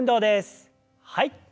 はい。